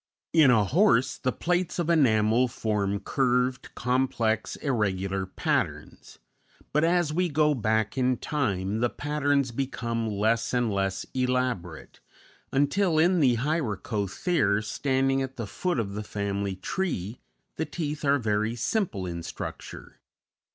In a horse the plates of enamel form curved, complex, irregular patterns; but as we go back in time, the patterns become less and less elaborate, until in the Hyracothere, standing at the foot of the family tree, the teeth are very simple in structure.